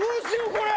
これ！